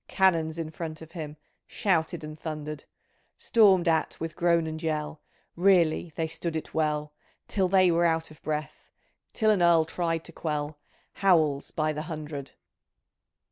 Canons in front of him. Shouted and thundered ! Stormed at with groan and yell, Really they stood it well, Till they were out of breath. Till an Earl tried to quell Howls by the hundred